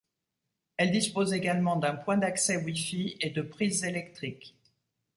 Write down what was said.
Elle dispose également d'un point d'accès Wi-Fi et de prises électriques.